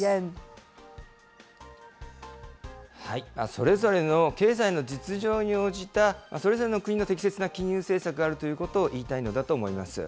それぞれの経済の実情に応じた、それぞれの国の適切な金融政策があるということを言いたいのだと思います。